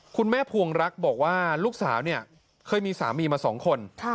คุณแม่ภวงรักษ์บอกว่าลูกสาวเนี่ยเคยมีสามีมาสองคน